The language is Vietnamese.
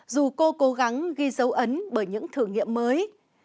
dù cô cố gắng ghi dấu ấn bởi những thử nghiệm mới